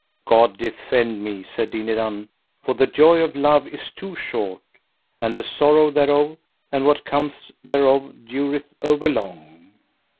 God defend me, said Dinadan, for the joy of love is too short, and the sorrow thereof, and what cometh thereof, dureth over long.